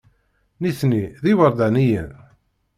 Nitni d iwerdaniyen.